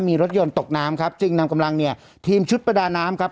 มีรถยนต์ตกน้ำครับจึงนำกำลังเนี่ยทีมชุดประดาน้ำครับ